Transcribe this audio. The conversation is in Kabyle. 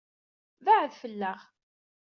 Bɛed fell-aɣ.